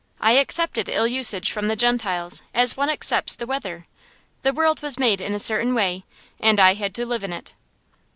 I accepted ill usage from the Gentiles as one accepts the weather. The world was made in a certain way, and I had to live in it.